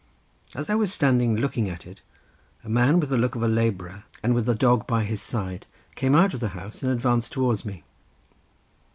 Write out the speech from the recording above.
As I was standing looking at it, a man with the look of a labourer, and with a dog by his side, came out of the house and advanced towards me.